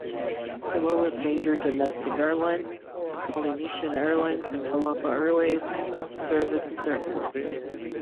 Samoa's major domestic airlines, Polynesian Airlines and Talofa Airways, service this airport.